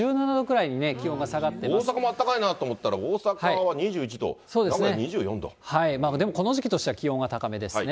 大阪もあったかいなと思ったら、大阪は２１度、名古屋は２４でもこの時期としては気温は高めですね。